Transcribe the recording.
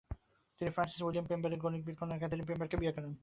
তিনি Francis William পেম্বারের গণিতবিদ কন্যা ক্যাথারিন পেম্বারকে বিয়ে করেন।